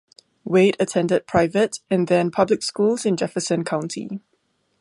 Wade attended private and then public schools in Jefferson County.